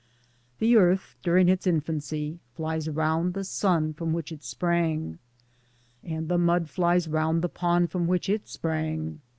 The Earth (during its infancy) flies round the Sun from which it sprang, and the mud flies round the pond from which it sprang.